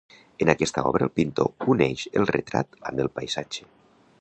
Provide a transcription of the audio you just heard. En aquesta obra, el pintor uneix el retrat amb el paisatge.